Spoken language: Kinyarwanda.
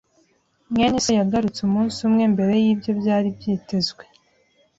mwene se yagarutse umunsi umwe mbere yibyo byari byitezwe.